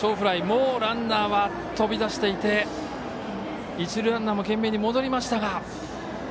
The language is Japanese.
もうランナーは飛び出していて一塁ランナーも懸命に戻りましたが。